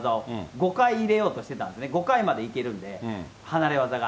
５回入れようとしてたんですね、５回までいけるんで、離れ技が。